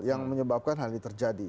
yang menyebabkan hal ini terjadi